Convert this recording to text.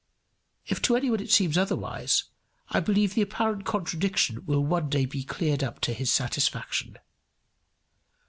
If to any one it seems otherwise, I believe the apparent contradiction will one day be cleared up to his satisfaction.